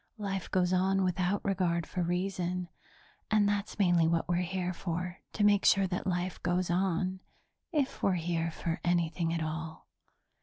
Life goes on without regard for reason, and that's mainly what we're here for, to make sure that life goes on if we're here for anything at all.